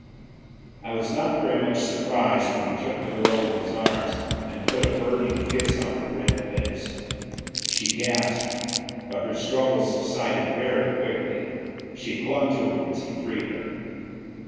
I was not very much surprised when he took the girl in his arms and put a burning kiss on her red lips. She gasped, but her struggles subsided very quickly; she clung to him as he freed her.